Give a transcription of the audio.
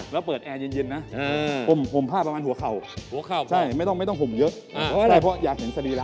แล้วเปิดแอร์เย็นนะห่มผ้าประมาณหัวเข่าไม่ต้องห่มเยอะเพราะอยากเห็นศรีระ